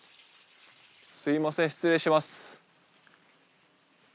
すみません失礼します。